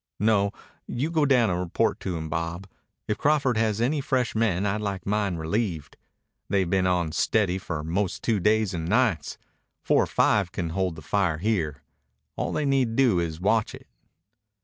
"No, you go down and report to him, Bob. If Crawford has any fresh men I'd like mine relieved. They've been on steady for 'most two days and nights. Four or five can hold the fire here. All they need do is watch it."